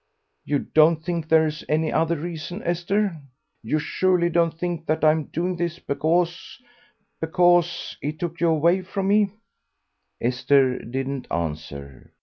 "You don't think there's any other reason, Esther? You surely don't think that I'm doing this because because he took you away from me?" Esther didn't answer.